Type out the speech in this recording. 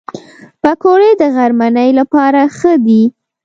پکورې د غرمنۍ لپاره ښه دي